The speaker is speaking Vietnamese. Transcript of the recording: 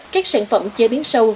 các sản phẩm chế biến sâu